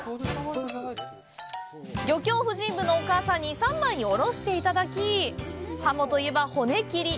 漁協婦人部のお母さんに３枚におろしていただきハモといえば骨切り。